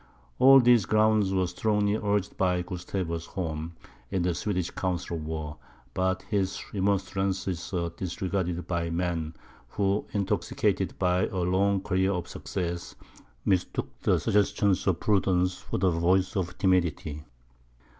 All these grounds were strongly urged by Gustavus Horn, in the Swedish council of war; but his remonstrances were disregarded by men who, intoxicated by a long career of success, mistook the suggestions of prudence for the voice of timidity.